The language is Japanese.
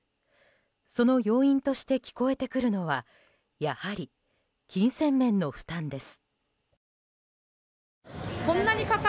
その要因として聞こえてくるのはやはり、金銭面の負担です。